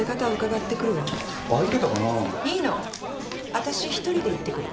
わたし一人で行ってくる。